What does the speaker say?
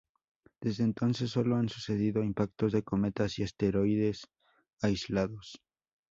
Desde entonces sólo han sucedido impactos de cometas y asteroides aislados.